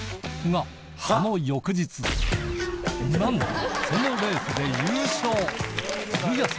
が、その翌日、なんと、そのレースで優勝。